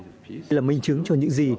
hòa bình là minh chứng cho những gì